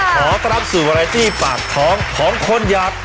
ขอตรับสู่วันไหล่ที่ปากท้องของคนยักษ์